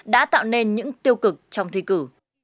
đã tạo nên những tiêu cực trong thi cử